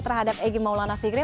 terhadap egy maulana fikri